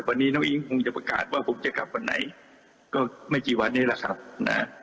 วันนี้น้องอิ๊งคงจะประกาศว่าผมจะกลับวันไหนก็ไม่กี่วันนี้แหละครับนะ